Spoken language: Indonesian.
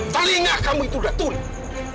telinga kamu itu udah tulis